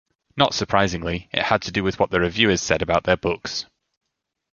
Not surprisingly, it had to do with what the reviewers said about their books.